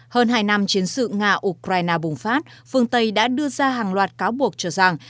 hơn hai năm chiến sự nga ukraine bùng phát phương tây đã đưa ra hàng loạt cáo buộc cho rằng